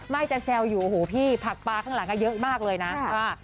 จะแซวอยู่โอ้โหพี่ผักปลาข้างหลังเยอะมากเลยนะ